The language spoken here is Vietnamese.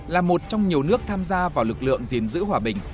là một trong nhiều nước tham gia vào lực lượng gìn giữ hòa bình